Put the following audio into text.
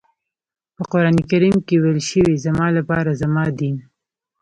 په قرآن کریم کې ويل شوي زما لپاره زما دین.